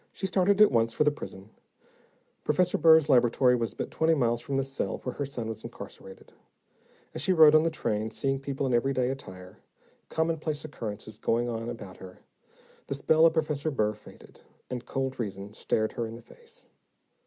She started at once for the prison. Professor Burr's laboratory was but twenty miles from the cell where her son was incarcerated. As she rode on the train, seeing people in everyday attire, commonplace occurrences going on about her, the spell of Professor Burr faded, and cold reason stared her in the face.